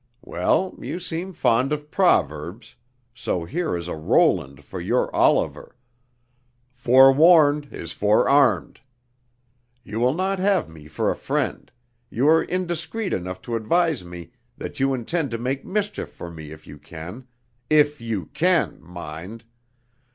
Well, you seem fond of proverbs, so here is a Roland for your Oliver 'forewarned is forearmed.' You will not have me for a friend; you are indiscreet enough to advise me that you intend to make mischief for me if you can if you can, mind!